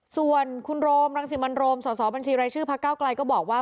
ส่วนคุณโรมรังสิมันโรมสอบบัญชีรายชื่อพักเก้าไกลก็บอกว่า